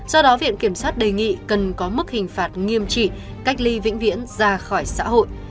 do đó viện kiểm sát đề nghị cần có mức hình phạt nghiêm trị cách ly vĩnh viễn ra khỏi xã hội